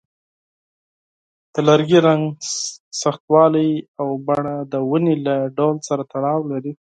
د لرګي رنګ، سختوالی، او شکل د ونې له ډول سره تړاو لري.